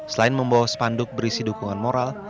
selain membawa spanduk berisi dukungan moral